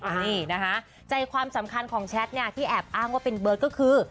นี่นะคะใจความสำคัญของแชทเนี่ยที่แอบอ้างว่าเป็นเบิร์ตก็คือ